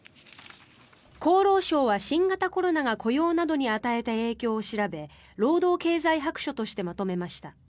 厚労省は新型コロナが雇用などに与えた影響を調べ労働経済白書としてまとめました。